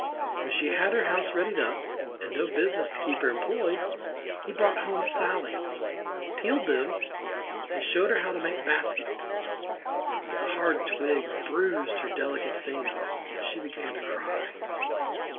When she had her house readied up, and no business to keep her employed, he brought home sallies [willows], peeled them, and showed her how to make baskets. But the hard twigs bruised her delicate fingers, and she began to cry.